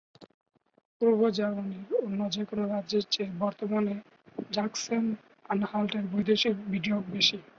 পূর্ব জার্মানির অন্য যেকোন রাজ্যের চেয়ে বর্তমানে জাখসেন-আনহাল্টের বৈদেশিক বিনিয়োগ বেশি।